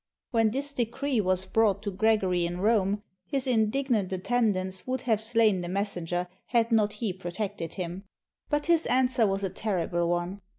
When this decree was brought to Gregory in Rome, his indignant attendants would have slain the messenger had not he protected him. But his answer was a terrible one.